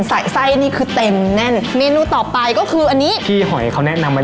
ใส่ไส้นี่คือเต็มแน่นเมนูต่อไปก็คืออันนี้พี่หอยเขาแนะนำไว้